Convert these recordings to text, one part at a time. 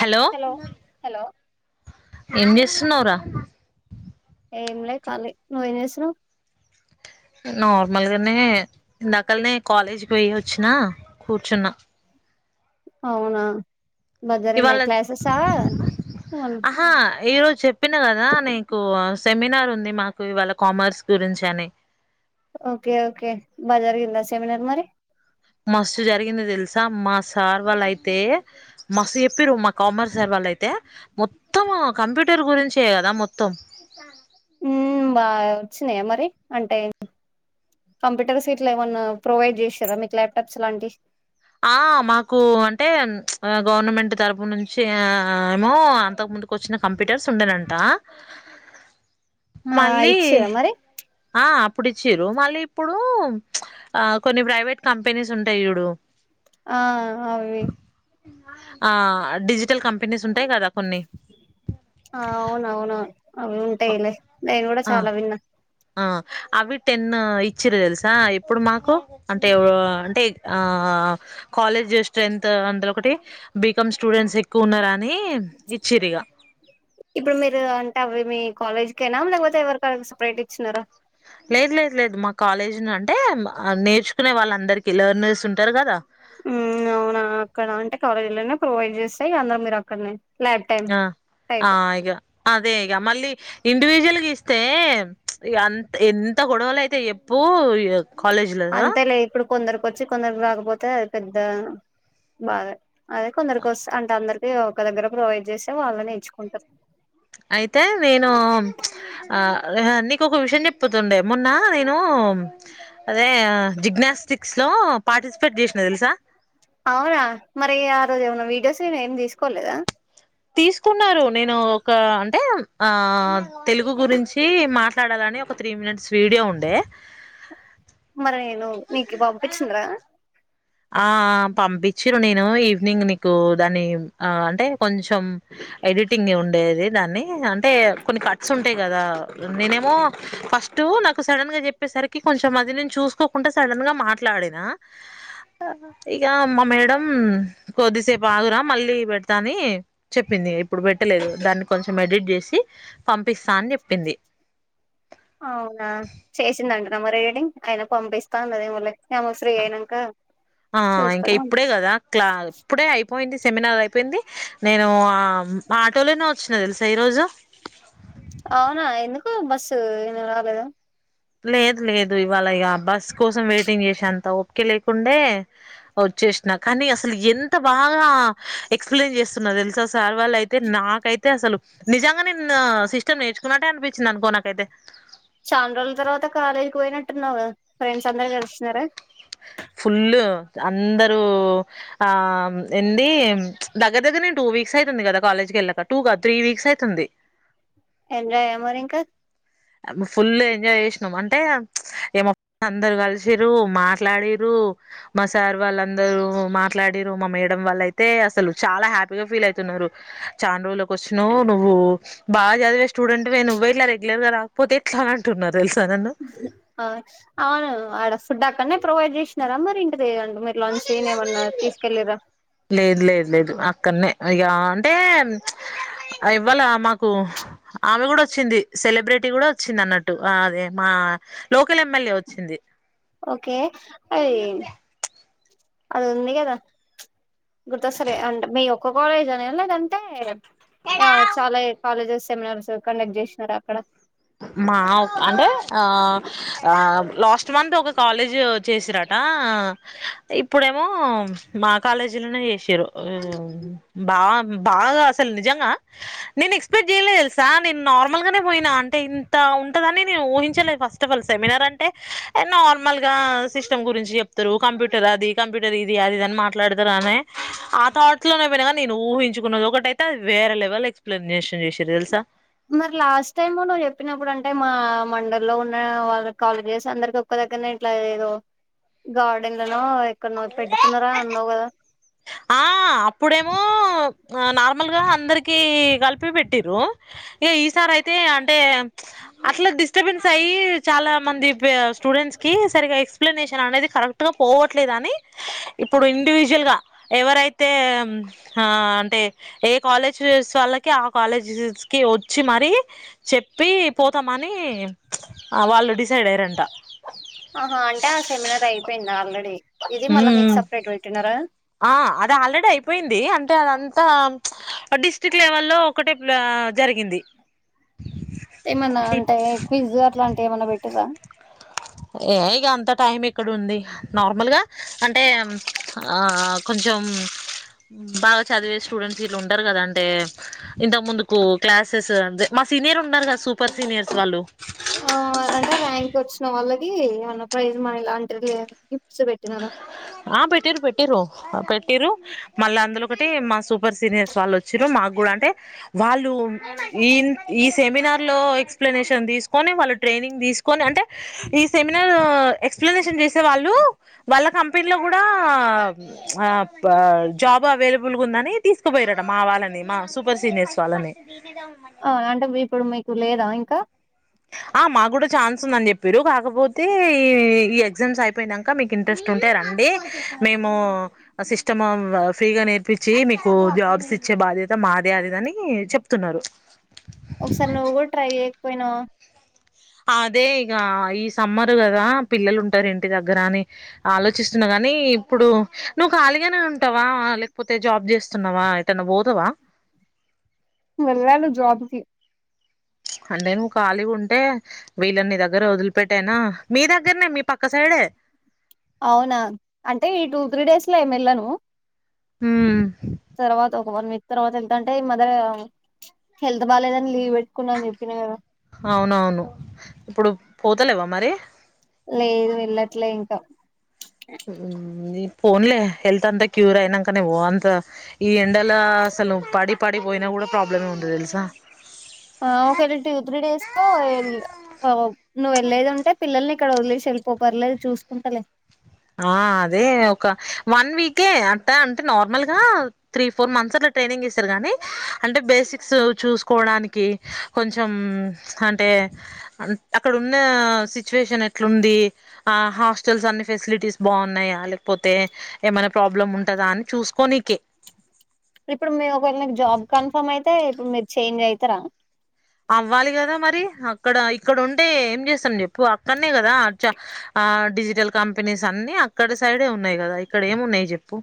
Hello hello ఏం చేస్తున్నావురా ఏం లే కలి నుయినేస్ర నార్మల్గానే ఇందాకలనే కాలేజీకి పోయి వచ్చినా కూర్చున్న అవునా మధరి ఇవాళ నెక్లాసెసా అవును ఆహా ఈరోజు చెప్పిన కదా నీకు సెమినార్ ఉంది మాకు ఇవాళ కామర్స్ గురించి అని ఓకే ఓకే బజార్ గిందా సెమినార్ మరి మస్తు జరిగింది తెలుసా మా సార్ వాళ్ళ అయితే మస్తు చెప్పిర్రు మా కామర్స్ సార్ వాళ్ళు యితే మొత్తం కంప్యూటర్ గురించే కదా మొత్తం ఉమ్ బా వచ్చినాయా మరి అంటే కంప్యూటర్స్ ఇట్లా ఏమన్నా ప్రొవైడ్ చేశారా మీకు ల్యాప్టాప్స్ లాంటి ఆ మాకు అంటే గవర్నమెంట్ తరపు నుంచి ఆ ఏమో అంతకు ముందుకు వచ్చిన కంప్యూటర్స్ ఉండెనంట ఆ మళ్ళీ ఇచ్చిర్రా మరి ఆ ఇప్పుడు ఇచ్చిర్రు మళ్ళీ ఇప్పుడు ఆ కొన్ని ప్రైవేట్ కంపెనీస్ ఉంటాయి చూడు ఆ అవి ఆ డిజిటల్ కంపెనీస్ ఉంటాయి కదా కొన్ని ఆ అవును అవునవును అవి ఉంటాయిలే నేను కూడా ఆ చాలా విన్నా ఆ అవి టెన్ ఇచ్చిర్రు తెలుసా ఇప్పుడు మాకు అంటే అంటే ఆ కాలేజ్ స్ట్రెంత అంత ఒకటి బికామ్ స్టూడెంట్స్ ఎక్కువ ఉన్నరా ఇప్పుడు మీరు అంటవేమి కాలేజ్ కెనా లేకపోతే ఎవరికన్నా సపరేట్ ఇచ్చినారా లేదు లేదు లేదు మా కాలేజీనే అంటే నేర్చుకునే వాళ్ళ అందరికి లర్నర్స్ ఉంటారు కదా మ్మ్ అవునా అక్కడ అంటే కాలేజీలొనే ప్రొవైడ్ చేస్తాయి అందరు మీరు అక్కడనే ల్యాబ్ టైమ్ ఆ ఆ టైప్ ఇగా అన్ అదే ఇగ మళ్ళీ ఇండివిజువల్ గా ఇస్తే అంత ఎంత గొడవలు అయితే చెప్పు కాలేజ్ లో అంతే లే ఇప్పుడు కొందరికి వచ్చి కొందరికి రాకపోతే అది పెద్ద బాధ అదే కొందరికొస్త అంటే అందరికి ఒక దగ్గర ప్రొవైడ్ చేస్తే వాళ్ళనే నేర్చుకుంటారు అయితే నేను ఆ నీకు ఒక విషయం చెప్తుండే మొన్నా నేను అదే జిగ్నస్టిక్స్ లో పార్టిసిపేట్ చేసిన తెలుసా అవునా మరి ఆ రోజు ఏమన్నా వీడియోస్ ఏమి తీసుకోలేదా తీసుకున్నారు నేను ఒక అంటే ఆ తెలుగు గురించి మాట్లాడాలంట ఒక త్రీ మినీట్స్ విడియో ఉండే మరి ఏదో నీకు పంపించుండు కదా ఆ పంపించిండ్రు నేను ఈవినింగ్ నీకు దాన్ని ఆ అంటే కొంచెం ఎడిటింగ్ ఉండేది దాన్ని అంటే కొన్ని కట్స్ ఉంటాయి కదా నేనేమో ఫస్ట్ పస్ట్ నాకు సడన్ గా చెప్పేసరికి కొంచెం అది నేను చూసుకోకుండా సడన్ గా మాట్లాడినా ఇక మా మేడం కొద్దిసేపు ఆగురా మళ్ళీ పెడతా అని చెప్పింది ఇప్పుడు పెట్టలేదు దాన్ని కొంచెం ఎడిట్ చేసి పంపిస్తా అని చెప్పింది అవునా చేసిందంటన మరి ఎడిటింగ్ అయిన పంపిస్తా అన్నదేమోలే ఆమె ఫ్రీ అయినంక ఆ ఇంకా చూసుకొని ఇప్పుడే పంపిస్తా కదా క్లా ఇప్పుడే అయిపోయింది సెమినార్ అయిపోయింది నేను ఆటోలోనే వచ్చిన తెలుసా ఈరోజు అవునా ఎందుకు బస్సు ఏ రాలేదు లేదు లేదు ఇవాళ ఇక బస్ కోసం వెయిటింగ్ చేసే అంత ఓపిక లేకుండే చేసిన కానీ అసలు ఎంత బాగా ఎక్స్ ప్లెయిన్ చేస్తున్నో తెలుసా అసల్ సార్ వాళ్ళు అయితే నాకైతే అసలు నిజంగా నేను సిస్టమ్ నేర్చుకున్నట్టే అనిపించింది అనుకో నాకైతే చాలా రోజుల తర్వాత కాలేజీకి పోయినట్టున్నావు గా ఫ్రెండ్స్ అందరు కలిసినార ఫుల్ అందరు ఆ ఉండి దగ్గర దగ్గర నేను టూ వీక్స్ అయితుంది కదా కాలేజ్ కు వెళ్ళక టూ గాదు త్రీ వీక్స్ అయితుంది ఎంజాయా మరి ఇంకా ఫుల్ ఎంజాయ్ చేసినాం అంటే ఏమ అందరు కలిసిర్రు మాట్లాడిర్రు మా సార్ వాళ్ళందరూ మాట్లాడిర్రు మా మేడం వాళ్ళు అయితే అసలు చాలా హ్యాపీగా ఫీల్ అయి తున్నారు చానా రోజులకి వచ్చినవ్ నువ్వు బాగా చదివే స్టూడెంట్ వే నువ్వే ఇట్లా రెగ్యులర్ గా రా పోతే ఎట్లా అని అంటున్నారు తెలుసా అవును అడ ఫుడ్ అక్కడనే ప్రొవైడ్ చేసినారా మరి ఇంటికి పొయార మరి లాంచ్ గిన ఏమన్నా తీసుకెళ్ళిర్రా ఇక్కన్నె ఇక అంటే ఇవాళ మాకు ఆమె కూడా వచ్చింది సెలబ్రిటీ కూడా వచ్చింది అన్నట్టు అదే మా లోకల్ ఎమ్మెల్యే వచ్చింది ఓకే అ అది కదా గుర్తొస్తలే అంటే మీ ఒక్క కాలేజ్ అనే లేదంటే చాలా కాలేజెస్ సెమినార్స్ కండక్ట్ చేసినారు అక్కడ మా అంటే ఆ లాస్ట్ మంత్ ఒక కాలేజ్ చేసిరాట ఇప్పుడేమో మా కాలేజీ లోనే చేసారు బాగా అసలు నిజంగా నేను ఎక్స్పెక్ట్ చేయలేదు తెలుసా నేను నార్మల్గానే పోయినా అంట అంతే ఇంత ఉంటదాని ఊహించలేదు ఫస్ట్ ఆఫ్ ఆల్ సెమినార్ అంటే నార్మల్ గా సిస్టమ్ గురించి చెప్తారు కంప్యూటర్ అది కంప్యూటర్ ఇది అది అని మాట్లాడుతారు అనే ఆ థాట్ లో నేను ఊహించుకున్నది ఒకట అయితే అది వేరే లెవెల్ ఎక్స్ప్లెనేషన్ చేసారు తెలుసా మరి లాస్ట్ టైమ్ నువ్వు చెప్పినప్పుడు అంటే మా మండలి లో ఉన్న వాళ్ళ కాలేజెస్ అందరికి ఒ దగ్గరనే ఇట్లా ఏదో గార్డెన్ నో ఎక్కడనో పెడుతున్నారా అన్నావు కదా ఆ అప్పుడేమో నాలు ల్ అందరికి కలిపి పెట్టిరు ఇ ఈసారీ అయితే అంటే అట్లా డిస్టర్బెన్స్ అయ్యి చాలా మంది స్టూడెంట్స్కి సరిగ్గా ఎక్స్ప్లెనేషన్ అనేది కరెక్ట్గా పోవట్లేదని ఇప్పుడు ఇండివిజువల్గా ఎవరైతే ఆ అంటే ఏ కాలేజీ వాళ్ళకి ఆ కాలేజీ క వచ్చి మరి చెప్పి పోతామని వాళ్ళు డిసైడ్ అయ్యారంట ఆహా అంటే ఆ సెమినార్ అయిపోయింది ఆల్రెడీ ఇది మళ్ళా మీకు హ్మ్. సపరేట్ పెట్టినారా ఆ అది ఆల్రెడీ అయిపోయింది అంటే అదంతా డిస్ట్రిక్ట్ లెవెల్ లో ఒకటే జరిగింది ఏమన్నా అంటే క్విజ్ అట్లాంటివి ఏమన్నా పెట్టారా ఏ ఇక అంత టైం ఇక్కడ ఉంది నార్మల్గా అంటే ఆ కొంచం చం బాగా చదివే స్టూడెంట్స్ వీళ ఉంటారు కదా అంటే ఇంత ముందుకు క్లాసెస్ అదే సినియర్ ఉనారు కదా సూపర్ సనియర్స్ వాళ్ళు ఆ అంటే ర్యాంక్ వచ్చిన వాళ్ళకి అన్న ప్రైజ్ మనీ ఇలాంటి లే గిఫ్ట్స్ పెట్టినార ఆ పెటిరు పెటిరు మళ్ళీ అందులో ఒకటి మా సు సూపర్ సనియర్స్ వాళ్ళ వచ్చిరు మాకు కూడా అంటే వాళ్ళు ఈ ఈ సెమినార్ లో ఎక్స్ప్లనేషన్ తీసుకొని వాళ్ళు ట్రైనింగ్ తీసు అంటే ఈ సెమినార్ ఎక్స్ప్లషన్ చేసే వాళ్ళు వాళ్ళ పిల్ల కూడా జాబ్ అవైలబుల్గా ఉందని తీసుకుపోయరాట మా వాళ్ళని మా సూపర్ సీనియర్స్ వాళ్ళనే ఆ అంటే ఇప్పుడు మీకు లేదా ఇంకా ఆ మాకు కూడా ఛాన్స్ ఉందని చెప్పారు కాకపోతే ఈ ఈ ఎగ్జామ్స్ అయిపోయినాక మీకు ఇంట్రెస్ట్ ఉంది ఉంటే రండి మేము సిస్టమ్ ఫ్రీగా నేర్పించి మీకు జాబ్స్ ఇచ్చ బాధ్యత మాదే అదిద అని చెప్తున్నారు ఒకసారి నువ్వు కూడా ట్రై చేయకపోయినావ అదే ఇక ఈ సమ్మర్ కదా పిల్లలు ఉంటారు ఇంటి దగ్గర అని ఆలోచిస్తున్న కా కానీ ఇప్పుడు నువ్వు ఖాళీగానే ఉంటావా లేకపోతే జాబ్ చేస్తున్నావా ఏటనా పోతావ [unintelligible] వెళ్ళాలి జాబ్ కి అంటే నువ్వు ఖాళీగా ఉంటే వీళ్ళన్నీ దగ్గర వదిలిపెట్టానా మీ దగ్గరనే మీ పక్క సైడ్ డే అవునా అంటే ఈ టూ త్రీ డేస్ లో ఏమి వెళ్ళను తర్వాత ఓ మి తర్వాత వెళ్తుంటే ఈ మదర హెల్త్ బాలేదని లీవ్ పెట్ అవునవును ఇప్పుడు పోతలేవా మరి లేదు వెళ్ళట్లే ఇంకా ఫోన్లే హెల్త్ అంతా క్యూర్ అయినాకనే వో అంత ఈ ఎండలో అసలు పాడి పాడి పోయినా కూడా ప్రాబ్లమే ఉంది తెలుసా ఆ ఒకవేళ టూ త్రీ డేస్ కో వేలు నువ్వు వెళ్ళేది ఉంటే పిల్లల్ని ఇక్కడ వదిలేసి వెళ్ళిపో పర్లేదు చూసుకుంటలే ఆ అదే ఒక వన్ వీకే అట్ట అంటే నార్మల్ గా త్రీ ఫోర్ మంత్స్ అ ట్రైనింగ్ ఇస్తారు గాని అంటే బేసిక్స్ చూసుకోవటానికి కొంచెం అంటే ఏ అక్కడ ఉన్న సిచువేషన్ ఎట్లుంది ఆ హాస్టల్స్ అన్ని ఫెసిలిటీస్ బాగున్నాయా లేకపోతే ఏమైనా ప్రాబ్లమ్ ఉంటందా అని చూసుకో నికే ఇప్పుడు మేము ఒకవేళ నీకు జాబ్ కన్ఫర్మ్ అయితే ఇప్పుడు మీరు చేంజ్ అయితారా అవ్వాలి కదా మరి అక్కడ ఇక్కడ ఉండే ఏం చేస్తాం చెప్పు అక్కడనే కదా చ ఆ డిజిటల్ కంపెనీస్ అన్ని అక్కడ సైడే ఉన్నాయి కదా ఇక్కడ ఏమి ఉన్నాయి చెప్పు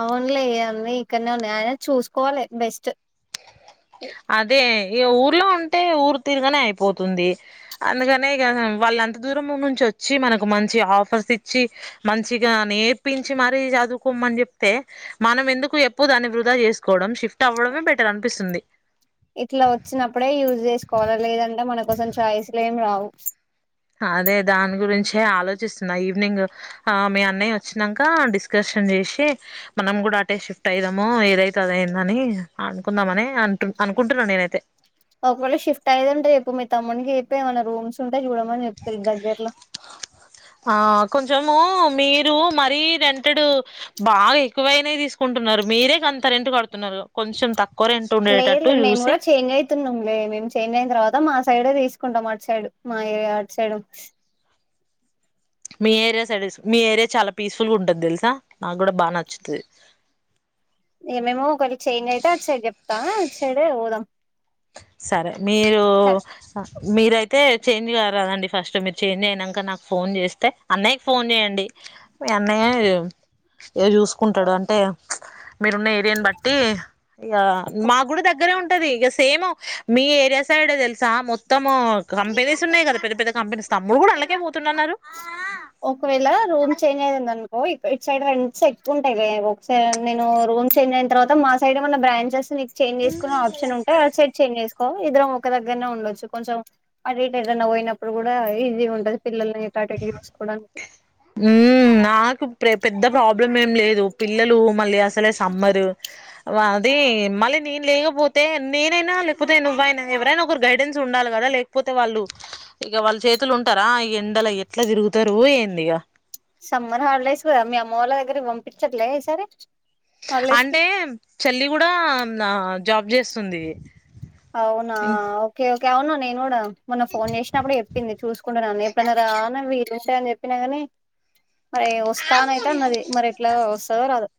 అవునులే ఏ అన్నీ ఇక్కడనే ఉన్నాయి ఆయన చూసుకోవాలి బెస్ట్ అదే ఇగ ఊర్లో ఉంటే ఊరు తిరగానే అయిపోతుంది అందుకనే ఇక వాళ్ళ ఎంత దూరం ము నుంచి వచ్చి మనకు మంచి ఆఫర్స్ ఇచ్చి మంచిగా నేర్పించి మరీ చదువు పోమ్మని చెప్తే మనం ఎందుకు ఎప్పుడు దాన్ని వృధా చేసుకోవడం షిఫ్ట్ అవ్వడమే బెటర్ అనిపిస్తుంది ఇట్లా వచ్చినప్పుడే యూజ్ చేసుకోవాల లేదంటే మనకోసం చాయిస్లు ఏం రావు అదే దాని గురించే ఆలోచిస్తున్నా ఈవినింగ్ ఆ మీ అన్నయ్య వచ్చినాక డిస్కషన్ చేసి మనం కూడా అటే షిఫ్ట్ అయిదాము ఏది అయితే అదియిందని అనుకుందామని అంటు అనుకుంటున్నా నేనైతే ఒకవేళ షఫ్ట్ అయ్యేది ఉంటే చెప్పు మీ తమ్ముడికి చెప్పి ఏమైనా రూమ్స్ ఉ ఉంటే చూడమని చెప్పుతా లే దగ్గరలో అమ్మో మీరు మరి రెంటేడు బాగా ఎక్కువైనాయి తీసుకుంటున్నారు మీరే గంతా రెం ఇంటు కడుతున్నారు కొంచెం తక్కు లేదు లే మేము కూడా చేంజ్ అయితున్నాం లే మేము చేంజ్ అయిన తర్వాత మాస్ సైడే తీసుకుంటాం అటు సైడ్ మా ఏరియా అటు సైడు మీ ఏరియా సైడ్ మీ ఏరియా చాలా పీస్ఫుల్ గా ఉంటుది తెలుసా నాకు కూడా బాగా నచ్చుతది ఏమేమో ఒకరి చేంజ్ అయితే అది సైడ్ చెప్తా అటు సైడ్ పోదాం సరే మీరు మీరై అయితే చేంజ్ కారదండి ఫస్ట్ మీరు చేంజ్ అయనాక నాకు ఫోన్ చేస్తే అన్నయ్యకి ఫోన్ చేయండి అన్నయ్య యో ఇగ చూసుకుంటాడు అంటే మీరున్న ఏరియాను బట్టి ఇక మా కూడా దగ్గరే ఉంటది ఏసు సేమ్ మీ ఏరియా సైడ్ తెలుసా మొత్తం కంపెనీస్ ఉన్నాయి కదా పెద్ద పెద్ద కంపెనీస్ తమ్ముడు కూడా అలాగే ఒకవేళ రూమ్ చేంజ్ అయ్యితాంది అనుకో ఓయ్ ఇట్ సైడ్ రెంట్స్ ఎక్కువ ఉంటాయి ఒకసారి నేను రూమ్ చేంజ్ అయిన తర్వాత మా సైడ్ ఏమన్నా బ్రాంచెస్ నీకు చేంజ్ చేసుకునే ఆప్షన్ ఉంటే అట్ సైడ్ చేంజ్ చేసు కో ఇద్దరం ఒక దగ్గరనే ఉండొచ్చు కొంచెం అటు ఇటు ఏది అన్నా పోయినప్పుడు కూడా ఈజీ ఉంటది పిల్లలని స్టార్టగి హాస్పిటల్ ఉ నాకు ప్రే పెద్ద ప్రాబ్లం ఏం లేదు పిల్లలు మళ్ళీ అసలే సమ్మర్ వా అది మళ్ళీ నేను లేకపోతే నేనైనా లేకపోతే నువ్వు అయిన ఎవరైనా ఒకరు గైడెన్స్ ఉండాలి కదా లేకపోతే వాళ్ళు ఇక వాళ్ళ చేతులు ఉంటారా ఈ ఎండల ఎట్లా తిరుగుతారు ఏంది ఇక సమ్మర్ హాలిడేస్ కదా మీ అమ్మ వాళ్ళ దగ్గరకి పంపించట్లే ఈ సారి అంటే చెల్లి కూడా నా జాబ్ చేస్తుంది అవునా ఓకే ఓకే అవున నేను కూడా మొన్న ఫోన్ చేసినప్పుడు చెప్పింది చూసుకుంటున్నా ఎప్పుడన్నా రా అన్న వీలుంటే అని చెప్పినా కాని మరి వస్తా అని అయితే అన్నది మరి ఎట్లా వస్తుందో రాదు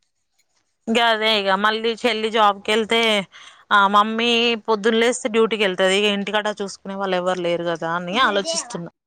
గాదే ఇగ మళ్ళీ చెల్లి జాబ్ కెళ్తే ఆ మమ్మీ పొద్దున్ లేస్తే డ్యూటీకి వెళ్తంది ఇక ఇంటికడా చూసుకునే వాళ్ళు ఎవ్వరు లేరు కదా అని ఆలోచిస్తున్నా